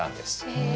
へえ。